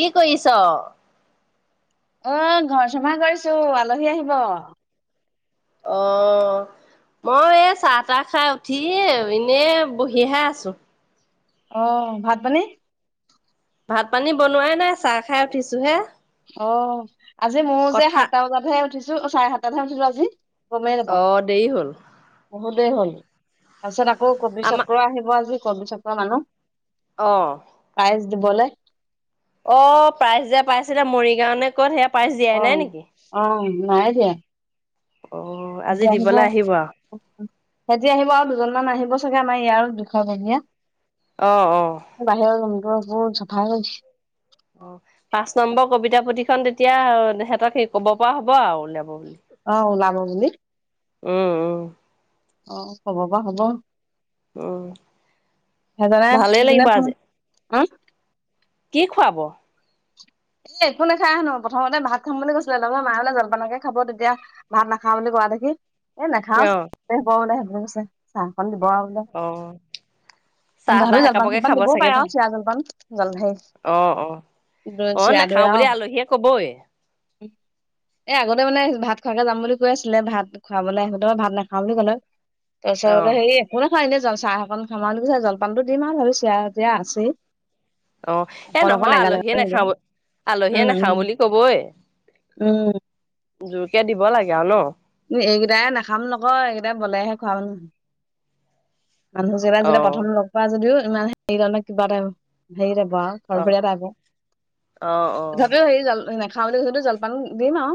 কি কৰিছ? এ ঘৰ চাফা কৰিছোঁ আলহী আহিব। অ'। মই এ চাহ তাহ খাই উঠি, এ‌ এনে বহিহে আছোঁ। অ', ভাত পানী? ভাত পানী বনোৱাই নাই, চাহ খাই উঠিছোঁ হে। অ', আজি ময়ো যে, কথা সাতটা বজাতহে উঠিছোঁ চাৰে সাতটাতহে উঠিলোঁ আজি। গমেই নেপাওঁ অ' দেৰি হ'ল বহুত দেৰি হ'ল। তাৰপিছত আকৌ কবি আমাৰ চক্ৰ আহিব আজি কবি চক্ৰৰ মানুহ। অ'। পাইজ দিবলে। অ', প্ৰাইজ যে, পাইছিলে মৰিগাঁও নে ক'ত সেয়া? পাইছ অ দিয়াই নাই নেকি? অ নাই দিয়া অ', আজি দিবলৈ আহিব আৰু। সিহঁতি আহিব আৰু দুজনমান আহিব চাগে আমাৰ ইয়াৰ বিষয়ববীয়া। অ', অ'। বাহিৰৰ ৰুমটো বহুত চফা হৈ [unintelligible] অ', পাঁচ নম্বৰ কবিতা পুথিখন তেতিয়া সিহেঁতক সেই ক'ব পৰা হ'ব আৰু উলিয়াব বুলি। অ', ওলাব বুলি। উম, উম। অ', ক'ব পৰা হ'ব উম, সেইজনাই ভালেই লাগিব সেইজনে ফোন আজি [unintelligible] কি খুৱাব? একো নেখাই হেনো প্ৰথমতে ভাত খাম বুলি কৈছিলে লগৰ মাই বোলে জলপানকে খাব তেতিয়া ভাত নাখাওঁ বুলি কোৱা দেখি এ, নাখাওঁ অ', [unintelligible] কৈছে চাহ অকন দিব আৰু বোলে। অ'। অ', চাহ তাহ তথাপিও জলপান একাপকে চলপান খাব দিবও চাগে পাৰে ভাল আৰু চিৰা জলপান জল সেই অ অ অ নাখাও বুলি আলহীয়ে কবই উম এই আগতে মানে ভাত খোৱাকে যাম বুলি কৈ আছিলে ভাত খাবলে আহ সিঁতে ভাত নাখাওঁ বুলি ক'লে অ তাৰপিচত সেই কোনে খা এনেই জল চাহ একন খাম আও কৈছে জলপানটো দিম আও ধৰ ছিয়া তিয়া আছেই। অ এ অকন অকন নহয় এগাল আলহীয়ে এগাল নিব নাখাব আলহীয়ে উম উম নাখাওঁ বুলি কবই জোৰকে দিব লাগে আৰু ন। এইকেইটাই নাখাম নকয় এইকেইটাই বলেহে খোৱা মানুহ। মানুহ যেবা অ যেতিয়া প্ৰথম লগ পোৱা যদিও ইমান হেৰি কিবা এটা হেৰি যে আৰু ফৰ অ ফৰীয়া টাইপৰ অ অ তথাপিও হেৰি খা বুলি কৈছেতো জলপান দিম আও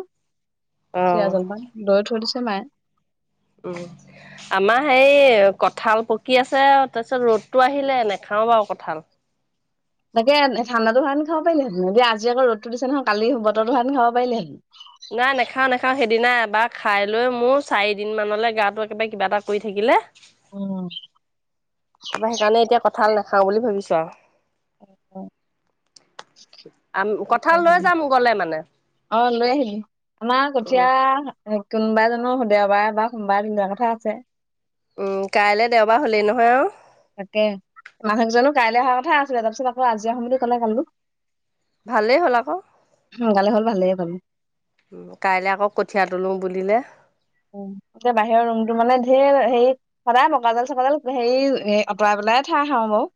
অ চিৰা জলপান দৈ থৈ দিছে মায়ে উম আমাৰ হেই কঠাল পকি আছে তাৰপিছত ৰ'দটো আহিলে নাখাও বাও কঁঠাল। তাকে ঠাণ্ডাটো সুৱা সেতিন খাব পাৰিলে হেতেন, আজি আক ৰ'দটো দিছে নহয় কালি বতৰটো হোৱা সেটিন খাব পাৰিলে হেতেন নাই নাখাও-নাখাও সেইদিনা এবাৰ খাই লৈ মো চাৰিদিন মানলৈ গাটো একেবাৰে কিবা এটা কৰি থাকিলে। অ তাপা সেইকাৰণে এতিয়া কঁঠাল নাখাওঁ বুলি ভাবিছোঁ আও আম কঠাল লৈ যাম গলে মানে অ' লৈ আহিলি আমাৰ উম কঠিয়া কোনোবাই জানো দেওবাৰে বা সোমবাৰে তুলা কথা আছে। উউম কাইলে দেওবাৰ হ'লেই নহয় আও তাকে মাহঁত জানো কাইলে অহা কথা আছিলে তাৰপিছত আকৌ আজি আহো বুলি ক'লে কালি ভালেই হ'ল আক সোনকালে হ'ল ভালে পালোঁ কাইলে আকৌ কঠীয়া তোলোঁ বুলিলে। উম এতিয়া বাহিৰৰ ৰুমটো মানে ঢেৰ হে সদায় মকয়া জাল চকৱাজাল হেই অতৰাই পেলাই ঠাই শাৰু বাৰু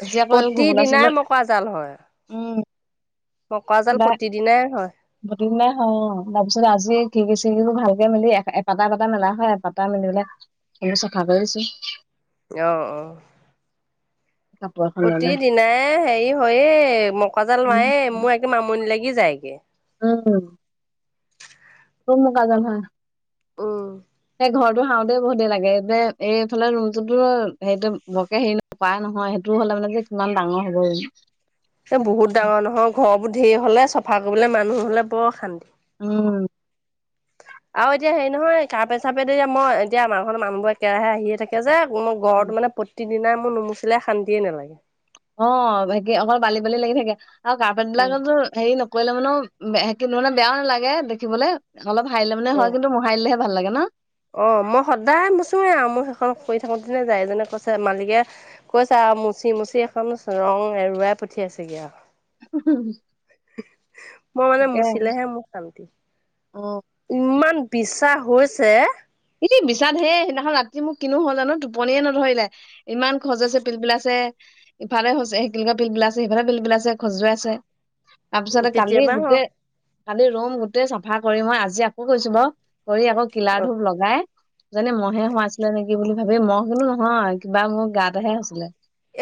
আজি আকৌ এই প্ৰতি ঘুগুলা চুগুলা দিনাই মকয়া জাল হয়। উম, মকয়া জাল প্ৰতিদিনাই হয়। ঘটো বনাই নাইহোৱা অ তাৰপিছতে আজি খিকি চিকিবো ভালকে মেলি এপাটা এপটা মেলা হয় এপটা মেলি পেলাই নিজে চাফা কৰি আছোঁ অ অ কাপোৰ এখন লৈ প্ৰতি লৈ। দিনাই হেৰি হয়েই মকৱা জাল উম, মায়ে মোৰ একে আমনি লাগি যায়গে। উম খুব মকৱা জাল হয় উম এ ঘৰটো সাওঁতে বহুত দেৰি লাগে যে এইফালে ৰুমটোটো সেইটো বৰকে হেৰি ন কৰা নহয় সেইটো হলে মানে যে কিমান ডাঙৰ হ'ব এ বহুত ডাঙৰ নহয় ঘৰবোৰ ধেৰ হলে চফা কৰিবলে মানুহ নহলে বৰ অশান্তি উম আৰু এতিয়া হেৰি নহয় কাপে চাপে তেতিয়া মই এতিয়া আমাৰ ঘৰলে মানুহবো একেৰাহে আহিয়ে থাকে যে মোৰ ঘৰত মানে প্ৰতিদিনাই মোৰ নুমুচিলাই শান্তিয়ে নালাগে। অ বাকি অকল বালি বালি লাগি থাকে। আৰু কাৰ্পেণ্ট উম বিলাকটো হেৰি নকৰিলে মানেও কি মানে বেয়াও নালাগে দেখিবলে অলপ সাৰিলে মানে অ হয় কিন্তু মোহাৰিলেহে ভাল লাগে ন অ মই সদায় মোচোৱে আৰু মোৰ সেইখন শুই থাকোতে যায়, এইজনে কৈছে মালিকে কৈছে আও মচি মচি এখন ৰং এৰুৱাই পঠিয়াইছেগৈ আও। [inaudible] মই মানে তাকে। মুচিলেহে মোক ভাল লাগে। অ', ইমান বিশ্বা হৈছে। এই বিশ্বা ধেই, সেইদিনাখন ৰাতি মোক কিনো হল জানো টোপনিয়ে নধৰিলে। ইমান খজুৱাইছে পিল পিলাইছে। ইফালে হৈছে পিল পিলাইছে আছে সিফালে পিল পিলাছে খজৱাইছে। তাপাছতে কালি কেতিয়াবা অ গোটেই কালি ৰুম গোটেই চাফা কৰি মই আজি আকৌ কৈছো বাৰু, কৰি আকৌ কিলাৰ অ ধূপ জ্বলাই, যেনে মহে সোমাইছিলে নেকি বুলি ভাবি মহ কিন্তু নহয় কিবা মোৰ গাততেহে হৈছিলে।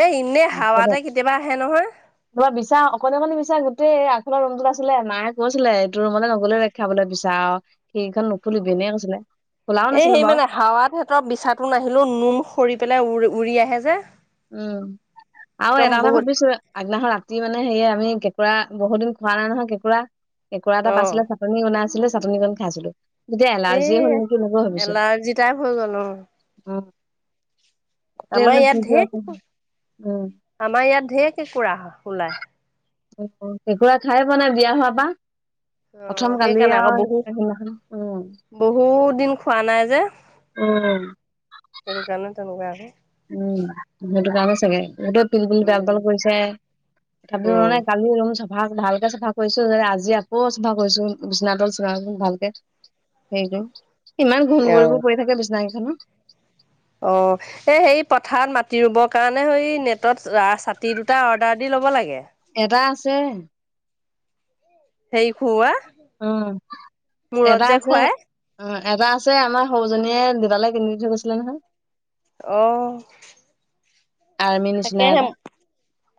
এ এনেই হাৱাতে কেতিয়াবা আহে নহয়। ত বিচা অকলে মানি বিচা গোটেই আগ ফালে ৰুমটোত আছিলে, নাই কৈছিলে এইটো ৰুমলে নগলে। খাবলে বিচাৰ আৰু সেইখন নুফুলিবি এনেই কৈছিলে। খোলাও এই নাছিলো সেই বাৰু মানে হাওৱা হেহতৰ বিচাটো নাহিলো নোম সৰি পেলাই উৰি উৰি আহে যে। উম, আৰু একদম এটা কথা বহুত ভাবিছো আগদিনাখন ৰাতি মানে সেয়ে আমি কেঁকুৰা বহু দিন খোৱা নাই নহয় কেঁকোৰা কেঁকোৰা এটা অ পাচিলে, চাটননি বনাইছিলো, চাটনিখন খায়চিলো। দে এই এলাৰ্জি হল নেকি? তেনেকৈ ভাবিছো। এলাৰ্জি টাইপ হৈ গ'ল অ অঁ আমাৰ ইয়াত ঢেৰ আছে কেঁকোৰা উম আমাৰ ইয়াত ঢেৰ কেঁকোৰা হয় ওলাই। কেঁকুৰা খাই বনাই বিয়া হোৱা পা। অ প্ৰথম কালি সেইকাৰণে আকৌ বহুত আৰু উম উম। বহুত দিন খোৱা নাই যে। উম। [unintelligible] উম সেইটো কাগজ চাগে, সেইটোত পিল উম পাল কৰিছে, তথাপিওঁ উম মানে কালি ভাল ভালকে চাফা কৰিছো যে, আজি আকৌ চাফা কৰিছো বিচনা তল চিচনা তল ভালকে। হেৰি কৰিম, ইমান ঘুণ অ কৰিব পৰি থাকে বিচনা কেইখনো। অ। এ সেই পথাৰত মাটি ৰুবৰ কাৰণে হেই নেটত ছাতি দুটা অৰ্ডাৰ দি ল'ব লাগে। এটা আছে। হেৰি খোৱা। উম, এটা আছে। অঁ এটা আছে আমাৰ সৰুজনীয়ে দুটালে কিনি দি থৈ গৈছিলে নহয়। অ। আৰ্মি নিচিনা তাকেহে এটা উম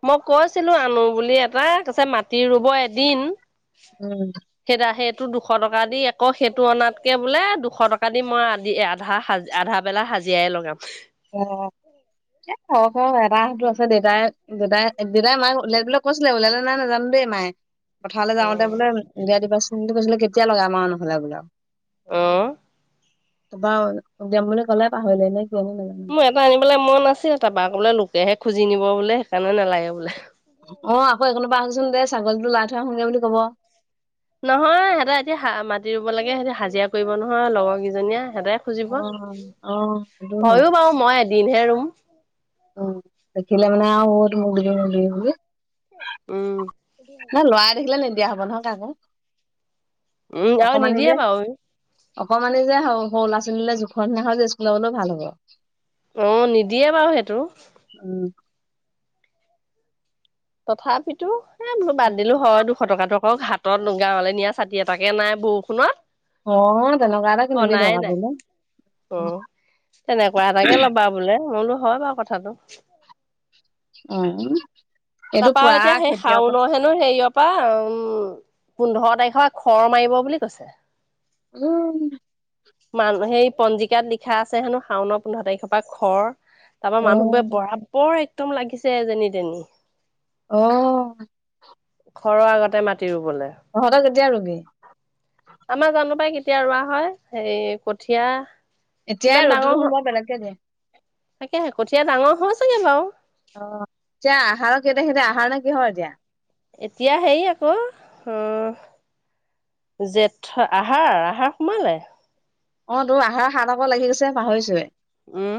মই কৈছিলো আনো বুলি এটা, কৈছে মাটি ৰুব এদিন। উম। সেইতা সেইটো দুশ টকা দি আকৌ সেইটো অনাতকে বোলে দুশ টকা দি মই আদি আধা হা আধা বেলা হাজিৰাই লগাম। অঁ। এ খৰ এটা সেইটো আছে দেউতাই দেউতাই দেউতাই মাক ওলাই দিবলৈ কৈছিলে উলিয়ালে নে নাই নাজানো। দেই মাই, পথাৰলৈ যাওঁতে বোলে উলিয়াই দিবা সোণ বুলি কৈছিলে কেতিয়া লগাম আৰু নহ'লে বোলে আও। উম। তোপা উলিয়াম বুলি কলে, পাহৰিলে নে কিয়ে নে নাজানো। মোৰ এটা আনিবলৈ মন আাছিল, তাৰপা আকৌ বোলে লোকেহে খুজি নিব বোলে, সেইকাৰণে নালাগে বোলে। অ', আকৌ একণৰ পৰা আহোঁচোন দে, ছাগলীটো লৰাই থৈ আহোঁগে বুলি ক'ব। নহয় সিহঁতে এতিয়া হা-মাতি ৰুব লাগে, সিহঁতে হাজিৰা কৰিব নহয়, লগৰ কেইজনীয়ে, সিহঁতে। খুজিব। অ সেইটো হয় হইয়ো বাৰু মই এদিনহে ৰুম। উম, দেখিলে মানে আৰু [unintelligible] [unintelligible] [unintelligible] বুলি। উম। নাই ল'ৰাই দেখিলে নিদিয়া হ'ব নহয় কাকো। উম আৰু অকমানি নিদিয়ে যে। বাৰু অকমানি যে সৰু-সৰু ল'ৰা ছোৱালীলৈ জোখৰ যে [unintelligible] স্কুললেও ভাল হ'ব। অ', নিদিয়ে বাৰু সেইটো। উম। তথাপিতো, এ বোলো বাদ দিলোঁ হয় দুখ ফটকাটোক হাতত গাওঁলে নিয়া ছাতি এটাকে নাই বৰষুণত। অ', আকৌ তেনেকুৱা এটা অ কিনিবি নাই দৰকাৰ নাই পৰিলে। অ', তেনেকুৱা এটাকে ল'বা বোলে। মই বোলো হয় বাৰু কথাটো। উম। এইটো তাৰপা পুৰা এতিয়া সেই খেতিয়কত শাওনৰ হেন হেৰিয়ৰ পৰা উম-পোন্ধৰ তাৰিখৰ খৰ মাৰিব বুলি কৈছে। উম। মান সেই পঞ্জিকাত লিখা আছে হেনো, শাওনৰ পোন্ধৰ তাৰিখৰ পৰা খৰ। তাৰপা অ মানুহবোৰে বৰাবৰ একদম লাগিছে যেনি তেনি। অ'। খৰৰ আগতে মাটি ৰুবলে। তহঁতে কেতিয়া ৰুবি? আমাৰ জানো পাই কেতিয়া ৰোৱা হয়, হেৰি কঠীয়া। ইমান এতিয়াই ৰদটো ডাঙৰ হ দেখোন বৰ বেলেগকে দিয়ে। তাকেহে, কঠীয়া ডাঙৰ হৈছেগে বাৰু। অ', এতিয়া আহাৰৰ কেই তাৰিখে, এতিয়া আহাৰ নে কিহৰ এতিয়া? এতিয়া হেৰি আকৌ, উম জেঠৰ, আহাৰ, আহাৰ সোমালে। অটো, আহাৰ শাওনৰ পৰা লাগি গৈছে, পাহৰিছোয়ে। উম।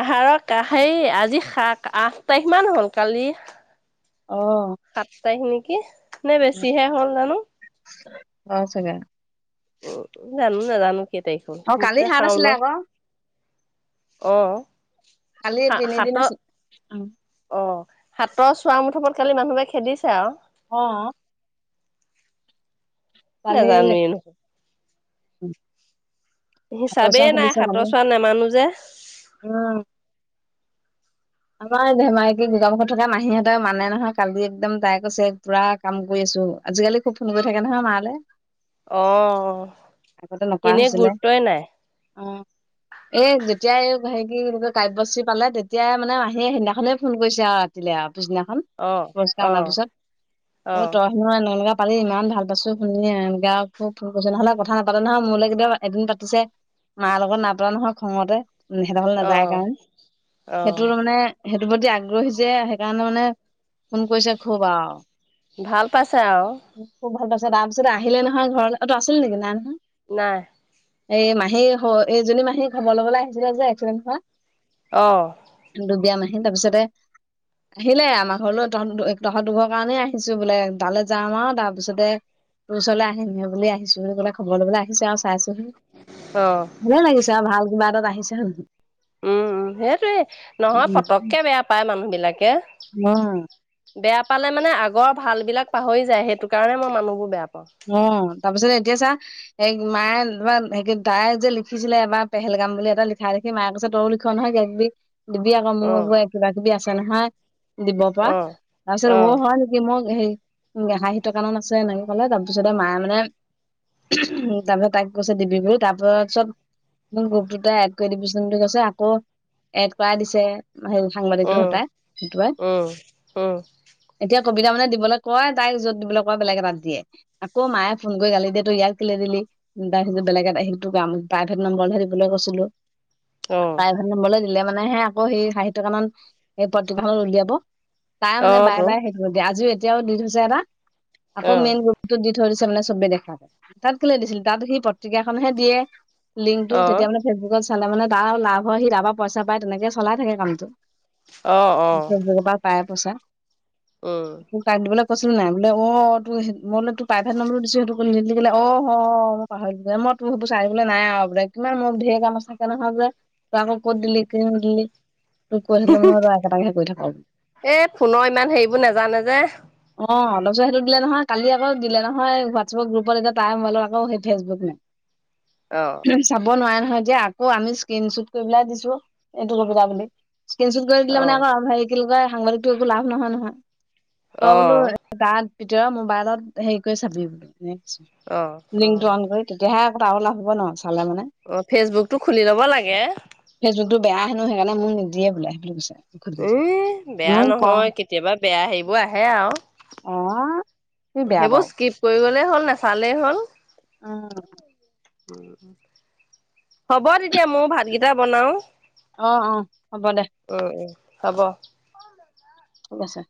আহাৰৰ কা-সেই আজি সাক-আঠ তাৰিখ মান হ'ল। কালি অ'। সাত তাৰিখ নেকি? নে বেছিহে হ'ল জানো! [inaudible] হয় চাগে। উম, জানো, নাজানো কেই তাৰিখ হ'ল। অ মোৰ কালি তই হাত আছিলে শাওনৰ আকৌ অহ, কালি তিনিদিন সা-সাতত আছিল অ', হাতৰ চোৱা মুথাপত কালি মানুহে খেদিছে আৰু। অহ'। কালি নেজানোয়ে নহয়। হিচাবে হাতচোৱা নাই, খুলিছে কালি হাতৰ চোৱা নেমানোঁ যে। উম। আমাৰ ধেমাকি দুৰ্গামুখত থকা মাহীহঁতৰ মানে নহয়, কালি একদম তাই কৈছে পুৰা কাম কৰি আছোঁ। আজিকালি খুব ফোন কৰি থাকে নহয় মালে। অহ, এনে গুৰুত্বই নাই। উম। এই যেতিয়া, এই হেৰি কি বুলি কয়, কাব্যশ্ৰী পালে তেতিয়া মানে আহিয়ে সেইদিনাখনে ফোন কৰিছে আৰু ৰাতিলে আৰু পিছদিনাখন। অ পুৰস্কাৰ অ অনাৰ পিছত। অ', তই নহয় এনে এনেকা পালি ইমান ভাল পাইছোঁ। শুনিয়ে এনেকা আকৌ ফোন কৰিছোঁ। নহ'লে কথা নাপাতে নহয়, মোলৈ কিতিয়াবা এদিন পাতিছে, মা লগত নাপাতে নহয় খঙতে। উম, সিহঁতৰ ঘৰলে অ নাযায় কাৰণে। অ সেইটোৰো মানে, সেইটোৰ প্ৰতি আগ্ৰহ হৈছে, সেইকাৰণে মানে ফোন কৰিছে খুব আৰু। ভাল পাইছে আৰু। খুব ভাল পাইছে, তাৰপিছত আহিলে নহয় ঘৰলে। অ', তই আছিলি নেকি? নাই নহয়। নাই। এই মাহী স', এইজনী মাহী খবৰ লবলে আহিছিলে যে এক্সিডেণ্ট হোৱাত আহ। দুুগিয়া মাহী। তাৰপিছতে আহিলে আমাৰ ঘৰলৈ। তহঁত দু তহঁত দুঘৰৰ কাৰণে আহিছোঁ বোলে। তালে যাম আৰু, তাৰপিছতে 'তোৰ ওচৰলে আহিম', সে বুলি আহিছোঁ বুলি ক'লে। খবৰ লবলে আহিছে আৰু চাইছোহি। অহ। ভালে লাগিছে আৰু, ভাল কিবা এটাত আহিছে হ'ল। উম, উম, সেইটোৱে নহয় পটককে বেয়া পায় মানুহবিলাকে। মা'। বেয়া পালে মানে আগৰ ভাল বিলাক পাহৰি যায়। সেইটোকাৰণে মই মানুহবোৰ বেয়া পাওঁ। উম, তাৰপিছত এতিয়া চা এই মায়ে বা এই কি, তাই যে লিখিছিলে এবাৰ পেহেলগাম বুলি এটা লিখা কি, মায়ে কৈছে তইয়ো লিখো নহয় কিবা-কিবি। দিবি আকৌ অ', মোৰ এ' কিবা-কিবি আছে নহয়। দিব পৰা। অ', তাৰপিছত অ', হয় নেকি? মোক সেই, উম, হাহি থকা মান‌ আছে না কি ক'লে, তাৰ তাৰপিছতে মায়ে মানে, উম। তাৰপিছত তাইক কৈছে দিবি বুলি, তাৰপিছত মোৰ গোৰোপ টোতে এড কৰি দিবিচোন বুলি কৈছে। আকৌ, এড কৰাই দিছে। বা সেই, সাংবাদিকটো উম, সতাই, সেইটোৱে। উম, উম, এতিয়া কবিতা মানে দিবলৈ কয়, তাইক য'ত দিবলৈ কয় বেলেগ এটাত দি দিয়ে। আকৌ মায়ে ফোন কৰি গালি দে, 'তই ইয়াক কিয় দিলি? ' উম, তাই সেইটো বেলেগ এটা, সেইটো কাম, প্ৰাইভেট নম্বৰহে দিবলে কৈছিলোঁ। অ', প্ৰাইভেট নম্বৰলৈ দিলে। মানে সৈ আকৌ সৈ ষাঠী টকা মান, সেই পত্ৰিকাখন উলিয়াব। তাই মানে অ', তো বাৰে-বাৰে সেইটোৱে দিয়ে। আজিও, এতিয়াও দি থৈছে এটা। আকৌ অ', মেইন টো দি থৈদিছে মানে চবে দেখাত। তাত কেলে দিছিল। তাত সি পত্ৰিকাখনহে দিয়ে। লিংকটো অ', তেতিয়া মানে ফেচবুকত চালে মানে, তাৰো লাভ হয়। সি তাৰ পৰা পইচা পায় তেনেকে চলাই থাকে কামটো। অ', অ', [inaudible] পাই পইচা। উম। মোক টাইম দিবল কৈছিলোঁ নে নাই? বোলে অ' অ' তোৰ সেই মই বোলো, তোক প্ৰাইভেট নম্বৰোঁ দিছোঁ সেইটো ক'লে নিদিলি কলে? অ' হ' মই পাহৰিলোঁৱে। মই তোৰ সেইবোৰ চাই থাকিবলৈ নাই আৰু বোলে। আৰু বোলে। কিমান মোৰ, ধেৰ কাম আছে, তেনেহলে তই আকৌ ক'ত দিলি, কেলে দিলি। তোক কৈ থাকিলে মানে একেটাকহে কৈ থাক। এই ফোনৰ ইমান হেৰিবোৰ নাজানে যে অ অলপ পিছত সিটো দিলে নহয়। কালি আকৌ দিলে নহয় হোৱাটচাপ গ্ৰুপত এতিয়া তাই মোবাইলত আকৌ ফেচবুকো নাই। অ। চাব নোৱাৰে নহয় এতিয়া আকৌ আমি স্ক্ৰীন চুট কৰি পেলাইহে দিছো এইটো কবিতা বুলি। স্ক্ৰীচুট কৰি দিলে মানে অ', আকৌ হেৰি কি বুলি কয় সাংবাদিকটো একো লাভ নহয় নহয় তই বোলো অ', তাত ভিতৰত মোবাইলত হেৰি কৰি চাবি বুলি অ', অ', লিংকটো অ', অন কৰি। তেতিয়াহে আক তাৰু লাভ হ'ব ন চালে মানে। অ ফেচবুকটো খুলি ল'ব লাগে। ফেচবুকটো বেয়া হেনো সেইকাৰণে মোৰ নিদিয়ে বোলে সেইকাৰণে কৈছে। উ সুধিছে বেয়া মোৰ ক নহয় কেতিয়াবা বেয়া হেৰিবোৰ আহে আও। অ। তুমি বেয়া সেইবোৰ পাও স্কিপ কৰি গ'লেই হ'ল নাচালেই হ'ল। উম। হ'ব তেতিয়া ময়ো ভাতকেইটা বনাও। অ অ হ'ব দে। উ উ হব। ঠিক আছে।